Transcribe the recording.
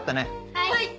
はい。